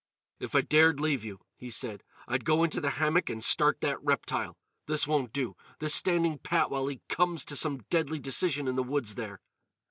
"If I dared leave you," he said, "I'd go into the hammock and start that reptile. This won't do—this standing pat while he comes to some deadly decision in the woods there."